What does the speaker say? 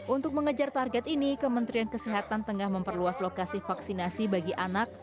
untuk mengejar target ini kementerian kesehatan tengah memperluas lokasi vaksinasi bagi anak